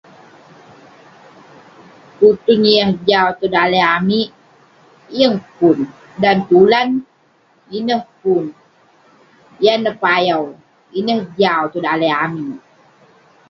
Kutun yah jau tong daleh amik, yeng pun. Dan tulan, ineh pun. Yan neh payau, ineh jau tong daleh amik.